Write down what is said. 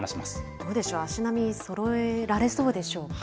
どうでしょう、足並みそろえられそうでしょうか。